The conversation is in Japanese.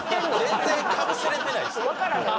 全然かぶせられてないですよ。